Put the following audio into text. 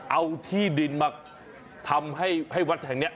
เอาที่ดินมาทำให้วัดแห่งนี้